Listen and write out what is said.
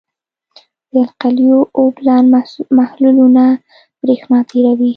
د القلیو اوبلن محلولونه برېښنا تیروي.